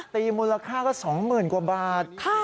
ตีมูลค่าก็สองหมื่นกว่าบาทค่ะ